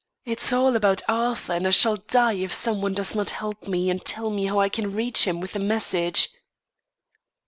It's all about Arthur, and I shall die if some one does not help me and tell me how I can reach him with a message."